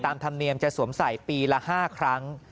ธรรมเนียมจะสวมใส่ปีละ๕ครั้ง